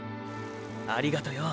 ありがとよ